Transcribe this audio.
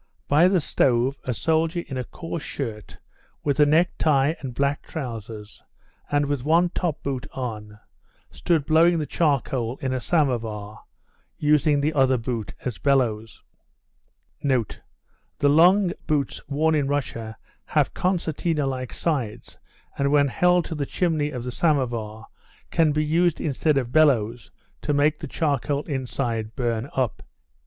By the stove a soldier in a coarse shirt with a necktie and black trousers, and with one top boot on, stood blowing the charcoal in a somovar, using the other boot as bellows. [The long boots worn in Russia have concertina like sides, and when held to the chimney of the somovar can be used instead of bellows to make the charcoal inside burn up.